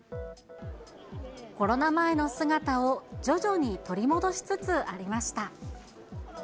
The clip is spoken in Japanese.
コロナ前の姿を徐々に取り戻しつつありました。